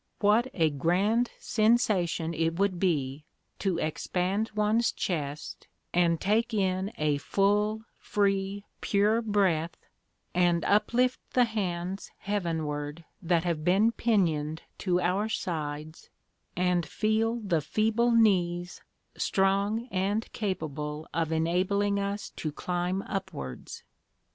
What a grand sensation it would be to expand one's chest and take in a full, free, pure breath, and uplift the hands heavenward that have been pinioned to our sides, and feel the feeble knees strong and capable of enabling us to climb upwards!